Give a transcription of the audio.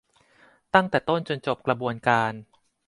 ตั้งแต่ต้นจนจบกระบวนการ